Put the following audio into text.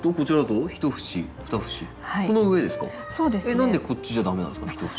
何でこっちじゃ駄目なんですか？